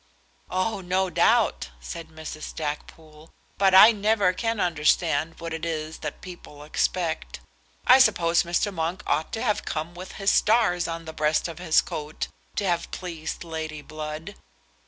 "Oh, no doubt," said Mrs. Stackpoole; "but I never can understand what it is that people expect. I suppose Mr. Monk ought to have come with his stars on the breast of his coat, to have pleased Lady Blood."